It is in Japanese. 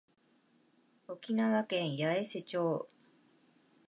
沖縄県八重瀬町